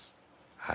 はい。